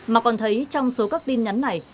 mà còn thấy trong số các tin nhắn này